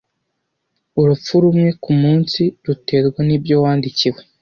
Urupfu rumwe kumunsi ruterwa nibyo Wandikiwe